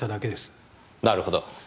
なるほど。